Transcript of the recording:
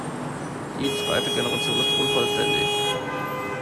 Die zweite Generation ist unvollständig.